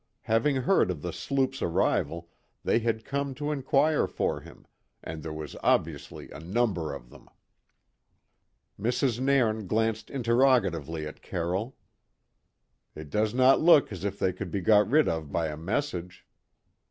Having heard of the sloop's arrival, they had come to inquire for him, and there was obviously a number of them. Mrs. Nairn glanced interrogatively at Carroll. "It does not look as if they could be got rid of by a message."